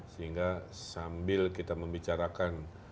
sehingga sambil kita membicarakan